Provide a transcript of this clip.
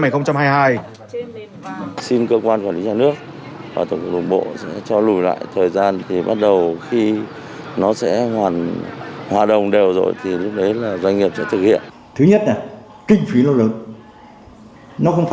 thứ nhất là kinh phí nó lớn nó không phải vài ba trăm nghìn như trong đột biển kia đúng không